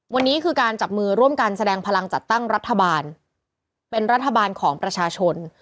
วันนี้คือการจับมือร่วมกันแสดงพลังจัดตั้งรัฐบาลเป็นรัฐบาลของประชาชน